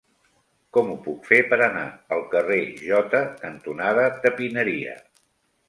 Com ho puc fer per anar al carrer Jota cantonada Tapineria?